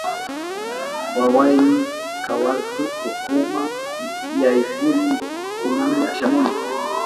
Wawayni, kwartu ukuma yaykuriy, kunalla shamuni.